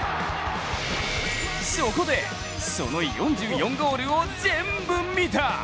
そこで、その４４ゴールをぜんぶ見た！